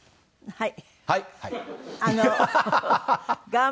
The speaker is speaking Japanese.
はい。